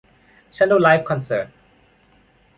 ฉันดูไลฟ์คอนเสิร์ต